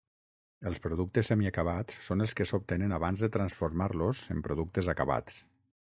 Els productes semiacabats són els que s'obtenen abans de transformar-los en productes acabats.